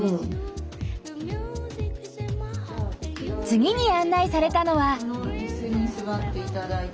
次に案内されたのは。